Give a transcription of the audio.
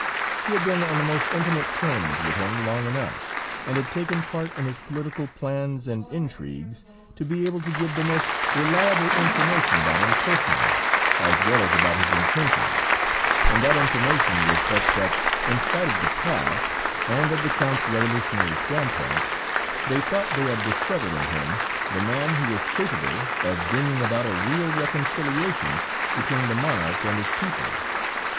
She had been on the most intimate terms with him long enough, and had taken part in his political plans and intrigues, to be able to give the most reliable information about him personally, as well as about his intentions, and that information was such that, in spite of the past, and of the Count's revolutionary standpoint, they thought they had discovered in him the man who was capable of bringing about a real reconciliation between the monarch and his people.